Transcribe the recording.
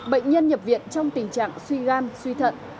bệnh nhân nhập viện trong tình trạng suy gan suy thận